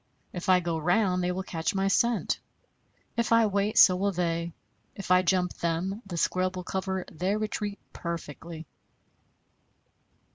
If I go round, they will catch my scent; if I wait, so will they; if I jump them, the scrub will cover their retreat perfectly."